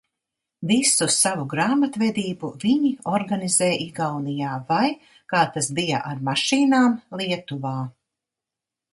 Visu savu grāmatvedību viņi organizē Igaunijā vai, kā tas bija ar mašīnām, Lietuvā.